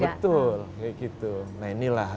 betul kayak gitu nah inilah